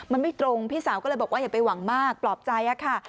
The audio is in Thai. มันไม่ตรงพี่สาวก็เลยบอกว่าอย่าไปหวังมากปลอบใจค่ะ